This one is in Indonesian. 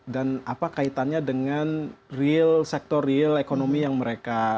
dan apa kaitannya dengan real sektor real ekonomi yang mereka geluti dalam